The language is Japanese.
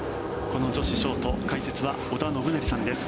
この女子ショート解説は織田信成さんです。